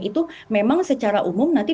itu memang secara umum nanti